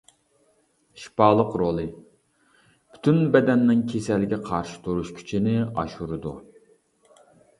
شىپالىق رولى: پۈتۈن بەدەننىڭ كېسەلگە قارشى تۇرۇش كۈچىنى ئاشۇرىدۇ.